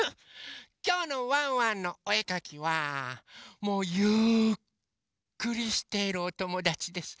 きょうの「ワンワンのおえかき」はもうゆっくりしているおともだちです。